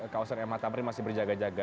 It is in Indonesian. kawasan mh tamrin masih berjaga jaga